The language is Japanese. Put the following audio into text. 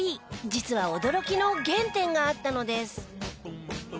実は驚きの原点があったのです。